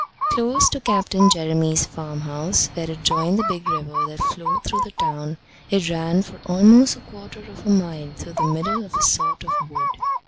Close to Captain Jeremy's farmhouse, where it joined the big river that flowed through the town, it ran for almost a quarter of a mile through the middle of a sort of wood.